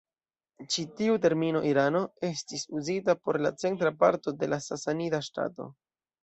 Ĉi tiu termino "Irano" estis uzita por la centra parto de Sasanida ŝtato.